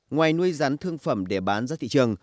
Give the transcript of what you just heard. ngoài nuôi rắn thương phẩm để bán ra thị trường